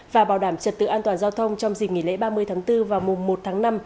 và bảo đảm trật tự an toàn giao thông trong dịp nghỉ lễ ba mươi tháng bốn và mùa một tháng năm